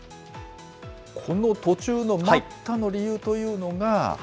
この途中の待ったの理由というのが。